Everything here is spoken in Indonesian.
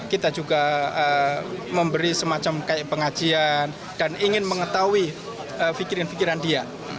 kita juga memberi semacam kayak pengajian dan ingin mengetahui pikiran pikiran dia